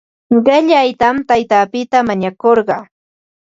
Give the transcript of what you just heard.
Qillaytam taytapita mañakurqaa.